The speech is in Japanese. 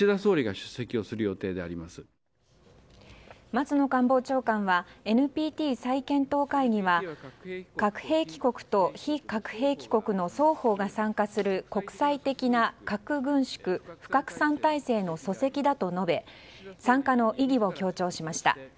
松野官房長官はＮＰＴ再検討会議は核兵器国と非核兵器国の双方が参加する国際的な核軍縮・不拡散体制の礎石だと述べ参加の意義を強調しました。